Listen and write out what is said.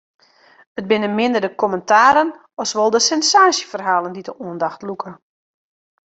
It binne minder de kommentaren as wol de sensaasjeferhalen dy't de oandacht lûke.